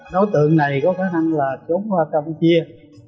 đối tượng này có khả năng là trúng trong chia